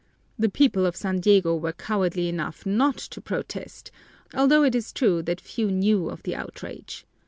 The people of San Diego were cowardly enough not to protest, although it is true that few knew of the outrage.